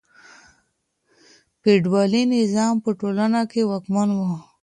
فیوډالي نظام په ټولنه واکمن و.